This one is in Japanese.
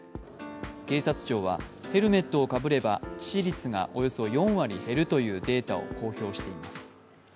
警察庁は、ヘルメットをかぶれば致死率がおよそ４割減るというデータを公表しています。